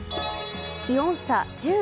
気温差１０度。